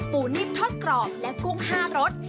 นิ่มทอดกรอบและกุ้ง๕รส